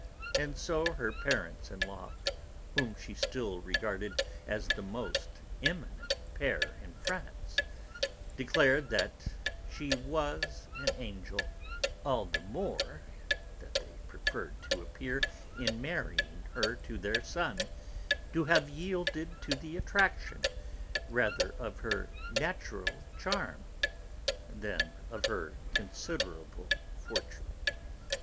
And so her parents in law, whom she still regarded as the most eminent pair in France, declared that she was an angel; all the more that they preferred to appear, in marrying her to their son, to have yielded to the attraction rather of her natural charm than of her considerable fortune.